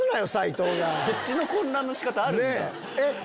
そっちの混乱の仕方あるんだ。